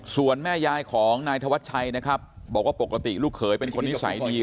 ส่วนแม่ยายของนายธวัชชัยนะครับบอกว่าปกติลูกเขยเป็นคนนิสัยดี